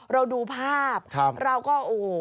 เราดูภาพเราก็โอ้โห